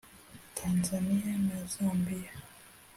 Tanzania na Zambia